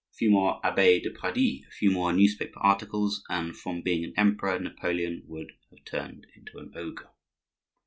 A few more Abbe de Pradits, a few more newspaper articles, and from being an emperor, Napoleon would have turned into an ogre.